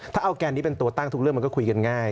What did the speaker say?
ถ้าเอาแกนนี้เป็นตัวตั้งทุกเรื่องมันก็คุยกันง่าย